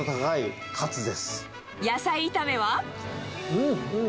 うーん、うん！